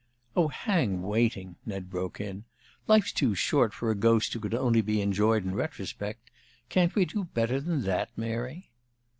"Oh, hang waiting!" Ned broke in. "Life's too short for a ghost who can only be enjoyed in retrospect. Can't we do better than that, Mary?"